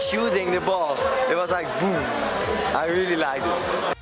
saya suka menembak bola itu seperti boom saya sangat suka